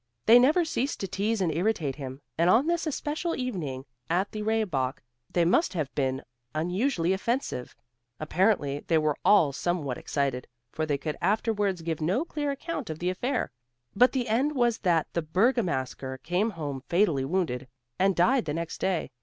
They never ceased to tease and irritate him, and on this especial evening at the Rehbock they must have been unusually offensive. Apparently they were all somewhat excited, for they could afterwards give no clear account of the affair, but the end was that the Bergamasker came home fatally wounded, and died the next day.